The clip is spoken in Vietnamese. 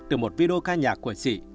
từ một video ca nhạc của chị